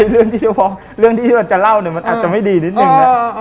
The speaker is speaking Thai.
เรื่องที่เราจะเล่าเนี่ยมันอาจจะไม่ดีนิดนึง